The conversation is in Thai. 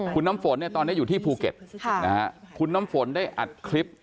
คุณน้ำฝนเนี่ยตอนนี้อยู่ที่ภูเก็ตคุณน้ำฝนได้อัดคลิป